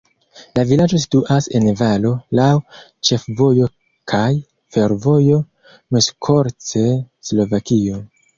La vilaĝo situas en valo, laŭ ĉefvojo kaj fervojo Miskolc-Slovakio.